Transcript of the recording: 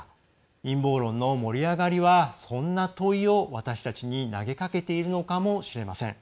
陰謀論の盛り上がりはそんな問いを私たちに投げかけているのかもしれません。